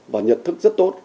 và nhận thức rất tốt